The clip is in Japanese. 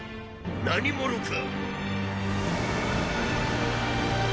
何者か。